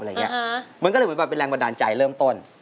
เหมือนกันเลยเป็นแรงบรรดาญใจเริ่มต้น